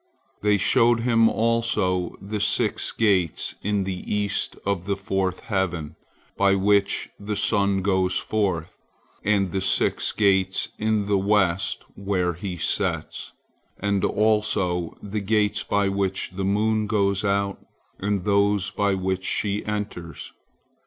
They showed him also the six gates in the east of the fourth heaven, by which the sun goes forth, and the six gates in the west where he sets, and also the gates by which the moon goes out, and those by which she enters.